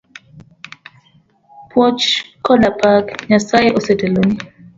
Puoch kod pak, Nyasaye oseteloni.